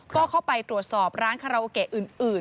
ก็เข้าไปตรวจสอบร้านคาราโอเกะอื่น